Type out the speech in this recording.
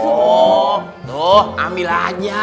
oh tuh ambillah aja